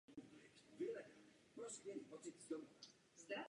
Tyto role ho dostaly mezi hollywoodské hvězdy a na vrchol slávy.